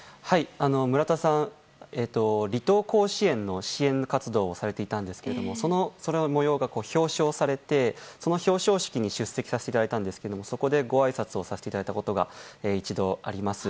村田さん、離島甲子園の支援活動をされていたんですがその模様が表彰されてその表彰式に出席をさせていただいたんですけれどもそこで、ごあいさつをさせていただいたことが一度あります。